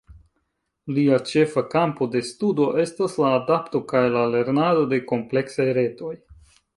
Lia ĉefa kampo de studo estas la adapto kaj la lernado de kompleksaj retoj.